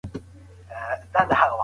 ښه وایې اشنا، د ننګیالو خبرې نورې دي